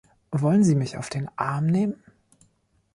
Wollen Sie mich auf den Arm nehmen?